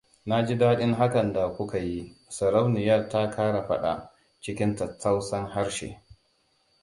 Na ji daɗin hakan da kuka yi, sarauniyar ta ƙara faɗa, cikin tattausan harshe.